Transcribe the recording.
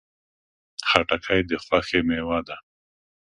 خټکی د خوښۍ میوه ده.